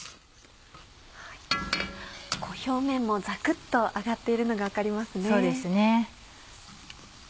表面もザクっと揚がっているのが分かりますね。